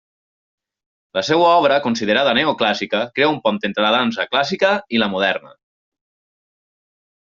La seva obra, considerada neoclàssica, crea un pont entre la dansa clàssica i la moderna.